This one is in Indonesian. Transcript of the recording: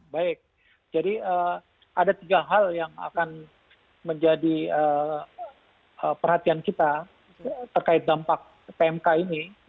baik jadi ada tiga hal yang akan menjadi perhatian kita terkait dampak pmk ini